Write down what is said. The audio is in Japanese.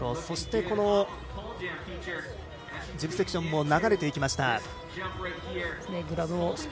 そして、ジブセクションも流れていきました。